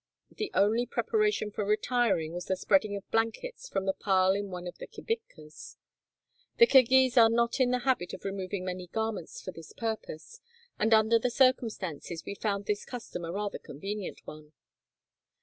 The only preparation for retiring was the spreading of blankets from the pile in one of the kibitkas. The Kirghiz are not in the habit of removing many garments for this purpose, and under the circumstances we found this custom a rather convenient one.